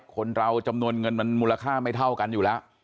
คนเราจำนวนเงินมันมูลค่าไม่เท่ากันอยู่แล้ว